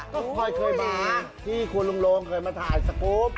ก็พลอยเคยมาที่คุณโรงเคยมาถ่ายสกุป